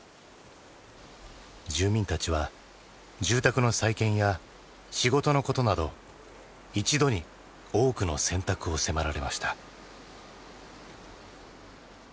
住民たちは住宅の再建や仕事のことなど一度に多くの選択を迫られました。